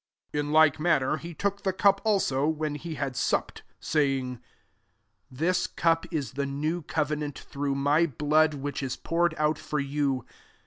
£0 In like manner he took the cup also, when he had sup ped; saying, "This cup U the new covenant, through my blood which is poured out for you.